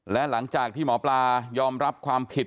และหลังจากที่หมอปลายอมรับความผิด